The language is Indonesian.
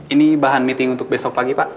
ini bahan meeting untuk besok pagi pak